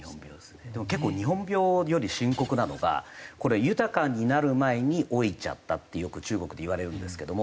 でも結構日本病より深刻なのがこれ「豊かになる前に老いちゃった」ってよく中国で言われるんですけども。